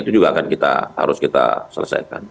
itu juga akan harus kita selesaikan